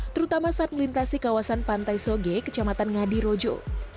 terutama saat melintasi kawasan pantai soge kecamatan ngadi rojo